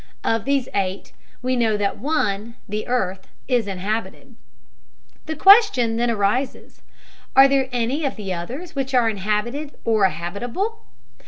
Of these eight we know that one, the earth, is inhabited. The question, then, arises: Are there any of the others which are inhabited or habitable?